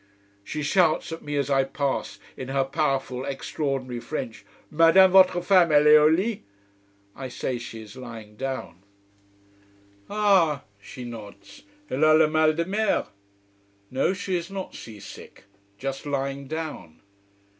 She shouts at me as I pass, in her powerful, extraordinary French: "Madame votre femme, elle est au lit?" I say she is lying down. "Ah!" she nods. "Elle a le mal de mer?" No, she is not sea sick, just lying down.